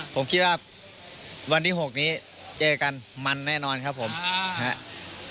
ผมคิดว่าวันที่๖นี้เจอกันมันแน่นอนครับผมนะครับ